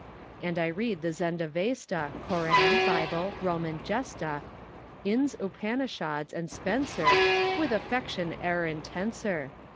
And I read the Zend Avesta, Koran, Bible, Roman Gesta, Ind's Upanischads and Spencer With affection e'er intenser.